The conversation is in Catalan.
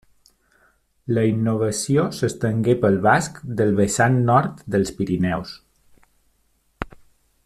La innovació s'estengué pel basc del vessant nord dels Pirineus.